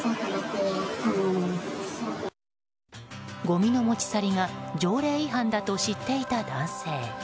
ごみの持ち去りが条例違反だと知っていた男性。